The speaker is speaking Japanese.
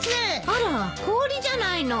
あら氷じゃないの。